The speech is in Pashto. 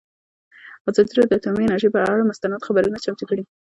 ازادي راډیو د اټومي انرژي پر اړه مستند خپرونه چمتو کړې.